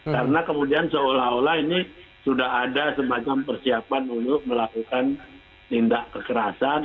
karena kemudian seolah olah ini sudah ada semacam persiapan untuk melakukan tindak kekerasan